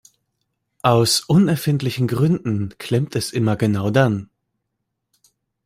Aus unerfindlichen Gründen klemmt es immer genau dann.